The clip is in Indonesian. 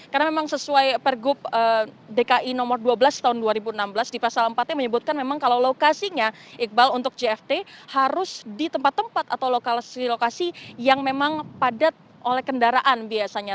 karena memang sesuai pergub dki nomor dua belas tahun dua ribu enam belas di pasal empat nya menyebutkan memang kalau lokasinya iqbal untuk cfd harus di tempat tempat atau lokasi lokasi yang memang padat oleh kendaraan biasanya